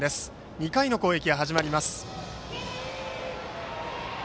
２回の攻撃が始まります。